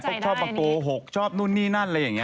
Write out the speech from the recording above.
เขาชอบมาโกหกชอบนู่นนี่นั่นอะไรอย่างนี้